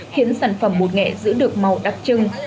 khiến sản phẩm bột nghệ giữ được màu đặc trưng